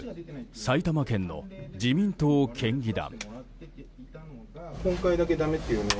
埼玉県の自民党県議団。